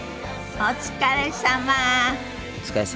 お疲れさま。